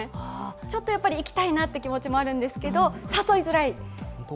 ちょっとやっぱり行きたいなという気持ちもありますけれども誘いづらい。